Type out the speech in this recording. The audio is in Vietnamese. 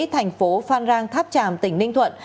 thành phố phan rang tháp tràm tỉnh ninh thuận